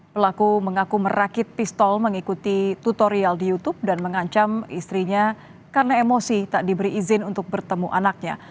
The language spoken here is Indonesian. pelaku mengaku merakit pistol mengikuti tutorial di youtube dan mengancam istrinya karena emosi tak diberi izin untuk bertemu anaknya